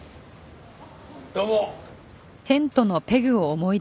どうも。